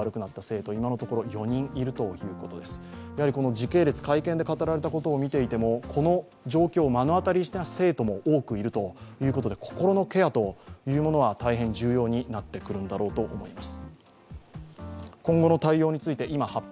時系列、会見で語られていたことを見ていてもこの状況を目の当たりにした生徒も多くいたということで心のケアというものは大変重要になってくるんだろうと思います。